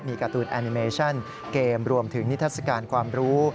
การ์ตูนแอนิเมชั่นเกมรวมถึงนิทัศกาลความรู้